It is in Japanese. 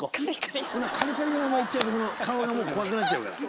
カリカリのまま行っちゃうと顔がもう怖くなっちゃうから。